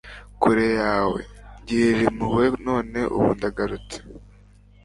kure yawe, ngirira impuhwe, none ubu ndatahutse